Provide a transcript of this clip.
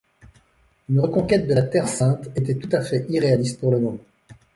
Une reconquête de la Terre sainte était tout à fait irréaliste pour le moment.